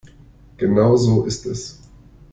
Genau so ist es.